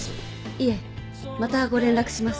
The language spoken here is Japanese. いえまたご連絡します。